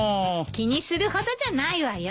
気にするほどじゃないわよ。